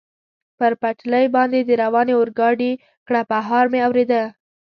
پر پټلۍ باندې د روانې اورګاډي کړپهار مې اورېده.